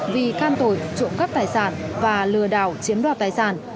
vì can tội trộm cắp tài sản và lừa đảo chiếm đoạt tài sản